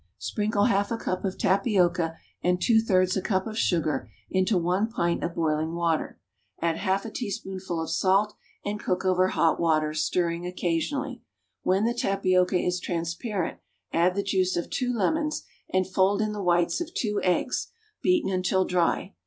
= Sprinkle half a cup of tapioca and two thirds a cup of sugar into one pint of boiling water; add half a teaspoonful of salt and cook over hot water, stirring occasionally. When the tapioca is transparent, add the juice of two lemons, and fold in the whites of two eggs, beaten until dry.